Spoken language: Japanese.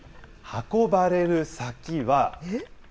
運ばれる先は。